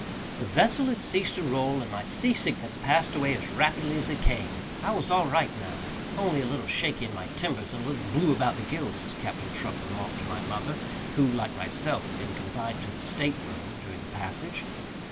The vessel had ceased to roll, and my sea sickness passed away as rapidly as it came. I was all right now, "only a little shaky in my timbers and a little blue about the gills," as Captain Truck remarked to my mother, who, like myself, had been confined to the state room during the passage.